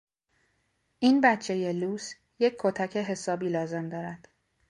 این بچهی لوس یک کتک حسابی لازم دارد.